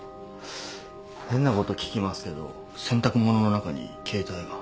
変なこと聞きますけど洗濯物の中に携帯が。